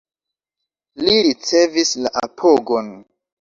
Li ricevis la apogon.